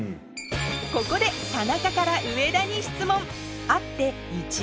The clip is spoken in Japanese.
ここで田中から上田に質問